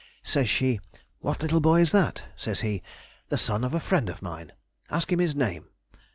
Says she, 'What little boy is that?' Says he, 'The son of a friend of mine. Ask him his name.